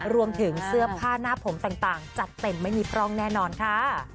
รวมถึงเสื้อผ้าหน้าผมต่างจัดเต็มไม่มีพร่องแน่นอนค่ะ